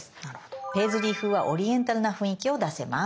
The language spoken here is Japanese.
ペイズリー風はオリエンタルな雰囲気を出せます。